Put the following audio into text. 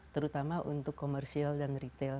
terutama untuk komersial dan retail